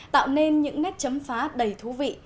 tạo nên những nét chấm phá đầy thú vị